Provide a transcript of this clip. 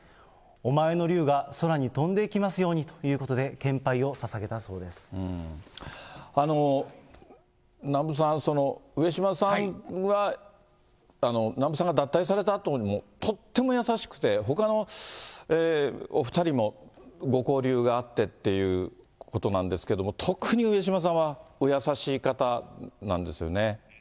お前の竜が空に飛んでいきますようにということで、南部さん、上島さんは南部さんが脱退されたあとも、とっても優しくて、ほかのお２人も、ご交流があってっていうことなんですけど、特に上島さんはお優しい方なんですよね。